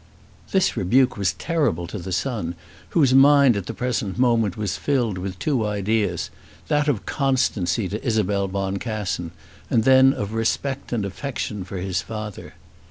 This rebuke was terrible to the son, whose mind at the present moment was filled with two ideas, that of constancy to Isabel Boncassen, and then of respect and affection for his father.